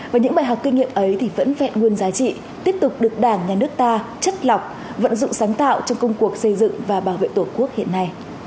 và những bài học kinh nghiệm ấy thì vẫn vẹn nguyên giá trị tiếp tục được đảng nhà nước ta chất lọc vận dụng sáng tạo trong công cuộc xây dựng và bảo vệ tổ quốc hiện nay